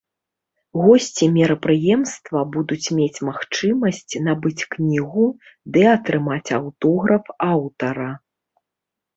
Госці мерапрыемства будуць мець магчымасць набыць кнігу ды атрымаць аўтограф аўтара.